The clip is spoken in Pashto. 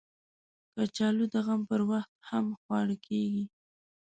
کچالو د غم پر وخت هم خواړه کېږي